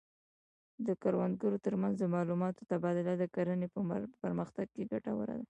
د کروندګرو ترمنځ د معلوماتو تبادله د کرنې په پرمختګ کې ګټوره ده.